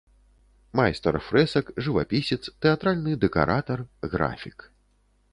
Майстар фрэсак, жывапісец, тэатральны дэкаратар, графік.